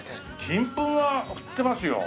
金粉がのってますよ。